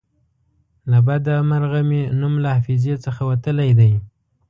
له بده مرغه مې نوم له حافظې څخه وتلی دی.